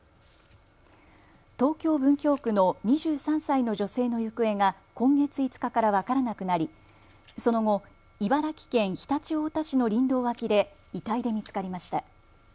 東京文京区の２３歳の女性の行方が今月５日から分からなくなり、その後、茨城県常陸太田市の林道脇で遺体で見つかりました。